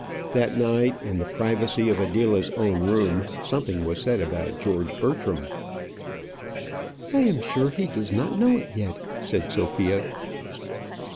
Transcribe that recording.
That night, in the privacy of Adela's own room, something was said about George Bertram. "I am sure he does not know it yet," said Sophia.